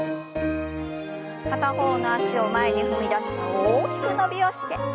片方の脚を前に踏み出して大きく伸びをして。